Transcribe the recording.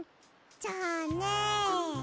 じゃあね。